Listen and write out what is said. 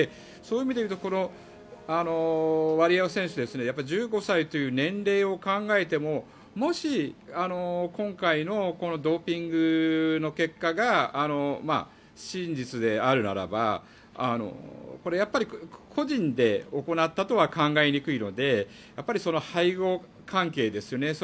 そういう意味で言うとこのワリエワ選手１５歳という年齢を考えてももし、今回のドーピングの結果が真実であるならばこれは個人で行ったとは考えにくいのでやっぱり、背後関係ですよね。